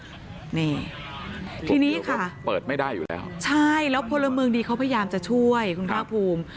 นี่ทีนี้ค่ะเปิดไม่ได้อยู่แล้วใช่แล้วพลเมืองดีเขาพยายามจะช่วยคุณภาคภูมิ